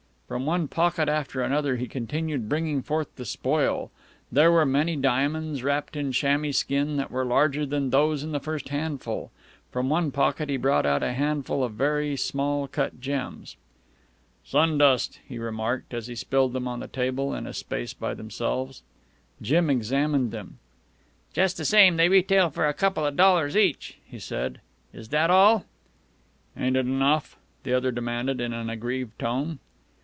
From one pocket after another he continued bringing forth the spoil. There were many diamonds wrapped in chamois skin that were larger than those in the first handful. From one pocket he brought out a handful of very small cut gems. "Sun dust," he remarked, as he spilled them on the table in a space by themselves. Jim examined them. "Just the same, they retail for a couple of dollars each," he said. "Is that all?" "Ain't it enough?" the other demanded in an aggrieved tone.